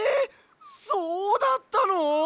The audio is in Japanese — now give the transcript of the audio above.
そうだったの！？